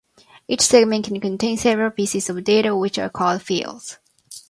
Each segment can contain several pieces of data, which are called fields.